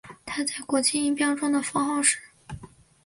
它在国际音标中的符号是。